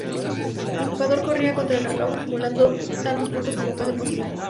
El jugador corría contra el reloj acumulando tantos puntos como fuese posible.